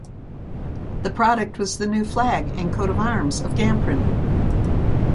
The product was the new flag and coat of arms of Gamprin.